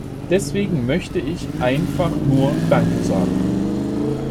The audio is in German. Deswegen möchte ich einfach nur danke sagen.